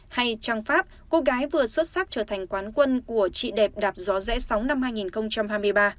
hay trang pháp cô gái vừa xuất sắc trở thành quán quân của chị đẹp đạp gió rẽ sóng năm hai nghìn